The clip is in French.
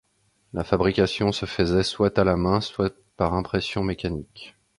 La fabrication se faisait soit à la main, soit par impression mécanique.